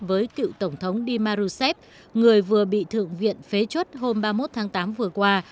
với cựu tổng thống di marusev người vừa bị thượng viện phế chốt hôm ba mươi một tháng tám vừa qua